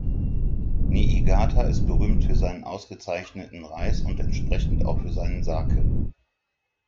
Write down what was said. Niigata ist berühmt für seinen ausgezeichneten Reis und entsprechend auch für seinen Sake.